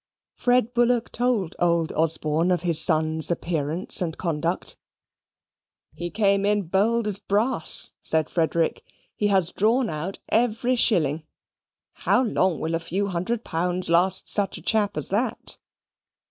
Fred Bullock told old Osborne of his son's appearance and conduct. "He came in as bold as brass," said Frederick. "He has drawn out every shilling. How long will a few hundred pounds last such a chap as that?"